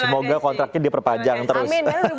semoga kontraknya diperpanjang terus